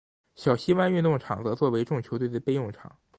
小西湾运动场则作为众球队的备用场。